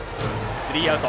スリーアウト。